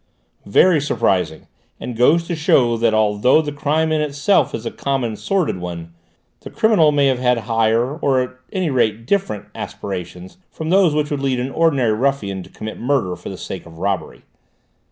"Very surprising; and goes to show that although the crime in itself is a common, sordid one, the criminal may have had higher, or at any rate different, aspirations from those which would lead an ordinary ruffian to commit murder for the sake of robbery.